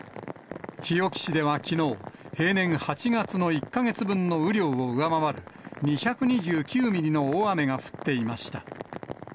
日置市ではきのう、平年８月の１か月分の雨量を上回る、２２９ミリの大雨が降っていました。